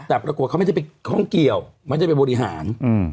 แต่ปรากฏเขาไม่ได้ไปข้องเกี่ยวไม่ได้ไปบริหาร